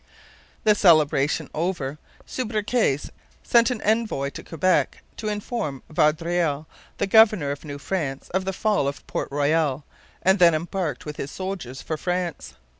The celebration over, Subercase sent an envoy to Quebec, to inform Vaudreuil, the governor of New France, of the fall of Port Royal, and then embarked with his soldiers for France.